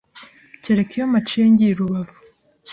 Keretse iyo mpaciye ngiye i Rubavu